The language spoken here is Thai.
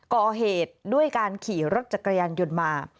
ก่อเหตุด้วยการขี่รถจักรยานยนต์มา